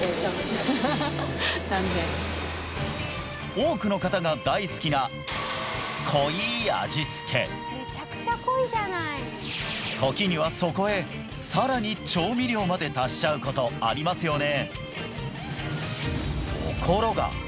多くの方が大好きな時にはそこへさらに調味料まで足しちゃうことありますよね